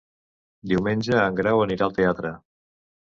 Diumenge en Grau anirà al teatre.